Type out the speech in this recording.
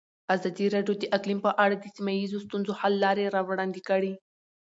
ازادي راډیو د اقلیم په اړه د سیمه ییزو ستونزو حل لارې راوړاندې کړې.